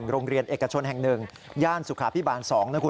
โรงเรียนเอกชนแห่ง๑ย่านสุขาพิบาล๒นะคุณ